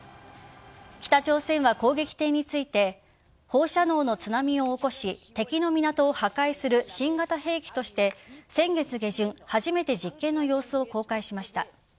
北朝鮮は攻撃艇について放射能の津波を起こし敵の港を破壊する新型兵器として先月下旬初めて実験の様子を公開しました。